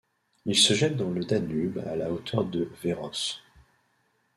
Il se jette dans le Danube à la hauteur de Verőce.